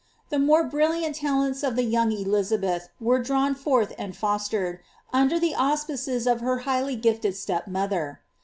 'Htf more brilliant talents of the young Elizabeth were drawn forth and fof' tered, under the auspices of her highly gifted step mother.